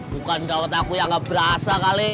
bukan dawet aku yang gak berasa kali